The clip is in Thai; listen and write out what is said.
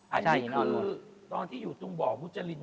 อันนี้คือตอนที่อยู่ตรงบ่อมุจริน